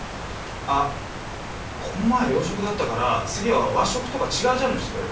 あっこの前は洋食だったから次は和食とか違うジャンルにしてくれる？